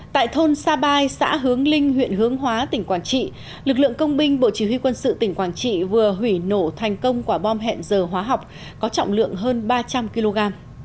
tại thôn sa bai xã hướng linh huyện hướng hóa tỉnh quảng trị lực lượng công binh bộ chỉ huy quân sự tỉnh quảng trị vừa hủy nổ thành công quả bom hẹn giờ hóa học có trọng lượng hơn ba trăm linh kg